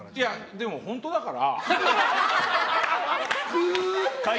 でも、本当だから。